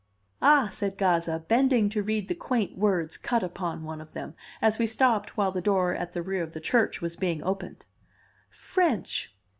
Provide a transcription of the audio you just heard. "Ah!" said Gazza, bending to read the quaint words cut upon one of them, as we stopped while the door at the rear of the church was being opened, "French!"